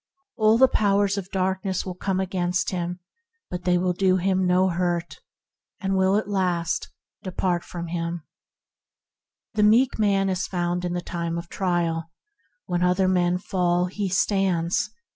All the powers of darkness will come against him, but they will do THE MIGHT OF MEEKNESS 117 him no hurt, and shall at last depart from him. The meek man is found in the time of trial; when other men fall he stands.